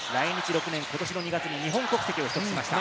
来日６年目、ことしの２月に日本国籍を取得しました。